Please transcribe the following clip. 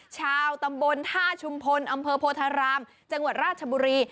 ชาวตำบลท่าชุมพลอำเภอโพธารามจังหวัดราชบุรี